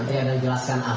itu untuk penjualan